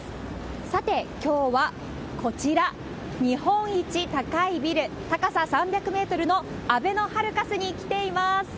さて、きょうはこちら、日本一高いビル、高さ３００メートルのあべのハルカスに来ています。